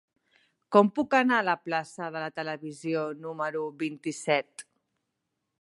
Com puc anar a la plaça de la Televisió número vint-i-set?